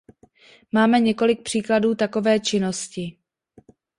Mámě několik příkladů takové činnosti.